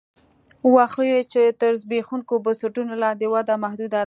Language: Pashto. وښیو چې تر زبېښونکو بنسټونو لاندې وده محدوده ده